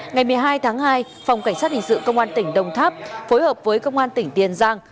ngày một mươi hai tháng hai phòng cảnh sát hình sự công an tỉnh đồng tháp phối hợp với công an tỉnh tiền giang